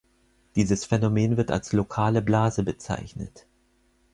Dieses Phänomen wird als lokale Blase bezeichnet.